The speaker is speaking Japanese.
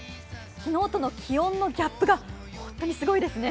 昨日との気温のギャップが本当にすごいですね。